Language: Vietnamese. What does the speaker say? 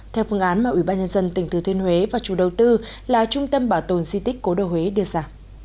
theo phương án mà ủy ban nhân dân tỉnh thừa thiên huế và chủ đầu tư là trung tâm bảo tồn di tích cố đô huế đưa ra